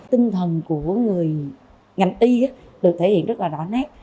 tinh thần của người ngành y được thể hiện rất là đỏ nát